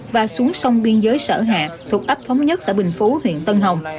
và xuống sông biên giới sở hạ thuộc ấp thống nhất xã bình phú huyện tân hồng